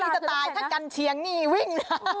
ดีนะฟรีจะตายถ้ากันเฉียงนี่วิ่ง